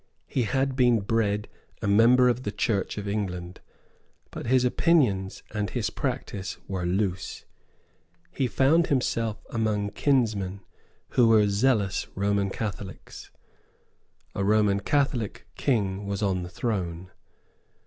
He had been bred a member of the Church of England; but his opinions and his practice were loose. He found himself among kinsmen who were zealous Roman Catholics. A Roman Catholic king was on the throne.